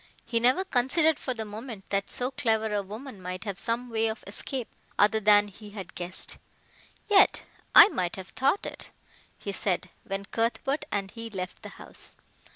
He never considered for the moment that so clever a woman might have some way of escape other than he had guessed. "Yet I might have thought it," he said, when Cuthbert and he left the house.